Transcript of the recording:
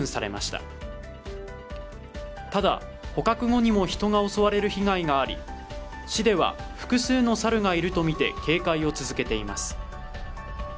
ただ、捕獲後にも人が襲われる被害があり市では、複数の猿がいるとみて警戒を続けています。